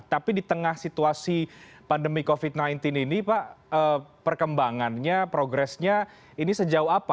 tapi di tengah situasi pandemi covid sembilan belas ini pak perkembangannya progresnya ini sejauh apa